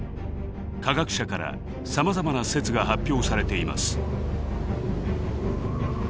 科学者からさまざまな説が発表されています。